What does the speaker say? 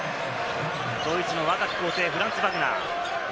ドイツの若き皇帝、フランツ・バグナー。